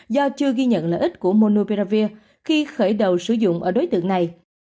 do chưa ghi nhận lợi ích của monopeavir khi khởi đầu sử dụng ở đối tượng này